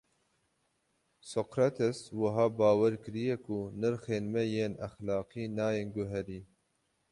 Sokrates wiha bawer kiriye ku nirxên me yên exlaqî nayên guherîn.